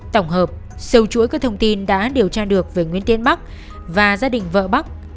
tổng hợp sâu chuỗi các thông tin đã điều tra được về nguyễn tiên bắc và gia đình vợ bắc